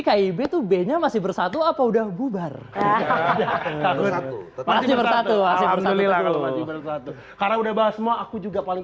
kaib itu benya masih bersatu apa udah bubar hahaha karena udah bahas semua aku juga paling